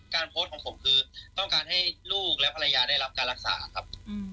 โพสต์ของผมคือต้องการให้ลูกและภรรยาได้รับการรักษาครับ